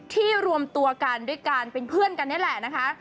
รวมตัวกันด้วยการเป็นเพื่อนกันนี่แหละนะคะ